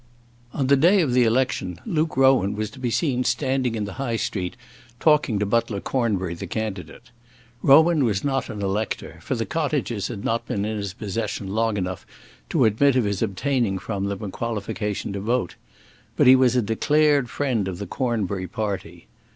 On the day of the election Luke Rowan was to be seen standing in the High Street talking to Butler Cornbury the candidate. Rowan was not an elector, for the cottages had not been in his possession long enough to admit of his obtaining from them a qualification to vote; but he was a declared friend of the Cornbury party.